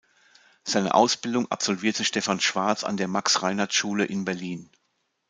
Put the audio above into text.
Seine Ausbildung absolvierte Stephan Schwartz an der Max-Reinhardt-Schule in Berlin.